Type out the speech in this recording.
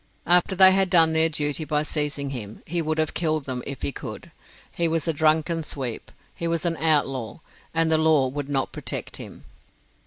After they had done their duty by seizing him, he would have killed them if he could. He was a drunken sweep. He was an outlaw, and the law would not protect him.